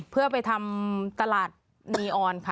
เพื่อไปทำตลาดนีออนค่ะ